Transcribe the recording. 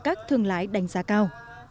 các thương lái đánh giá cao